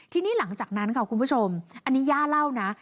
ทีนี้หลังจากนั้นค่ะคุณผู้ชมอันนี้ย่าเล่านะ